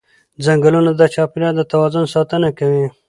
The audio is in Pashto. ځنګلونه د چاپېریال د توازن ساتنه کوي